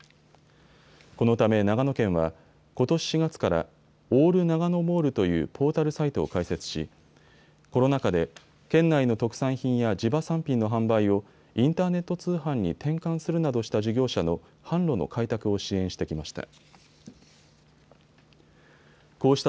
このため長野県はことし４月からオールＮＡＧＡＮＯモールというポータルサイトを開設しコロナ禍で県内の特産品や地場産品の販売をインターネット通販に転換するなどした事業者の販路の開拓を支援してきました。